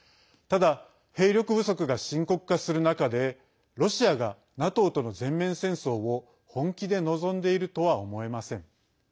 ただ、兵力不足が深刻化する中でロシアがＮＡＴＯとの全面戦争を本気で望んでいるとは思えません。